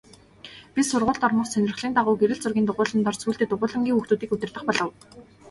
Би сургуульд ормогц сонирхлын дагуу гэрэл зургийн дугуйланд орж сүүлдээ дугуйлангийн хүүхдүүдийг удирдах болов.